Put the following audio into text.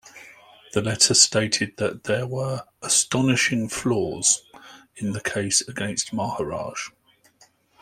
The letter stated that there were 'astonishing flaws' in the case against Maharaj.